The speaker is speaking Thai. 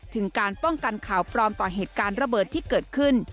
ถึงการป้องกันข่าวปลอมต่อเหตุการณ์ระเบิดที่เกิดขึ้น